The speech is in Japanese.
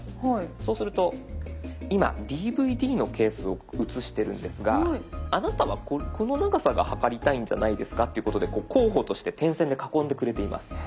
そうすると今ＤＶＤのケースを写してるんですがあなたはこの長さが測りたいんじゃないですかっていうことで候補として点線で囲んでくれています。